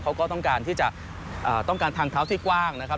เขาก็ต้องการที่จะต้องการทางเท้าที่กว้างนะครับ